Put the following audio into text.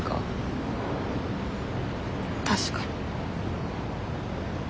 確かに。